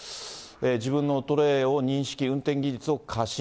自分の衰えを認識、運転技術を過信。